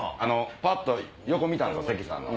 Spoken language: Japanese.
ぱっと横見たんすよ関さんの。